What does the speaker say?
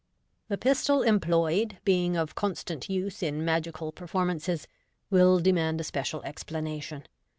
The pistol employed, being of constant use in magical perform* races, will demand a special explanation.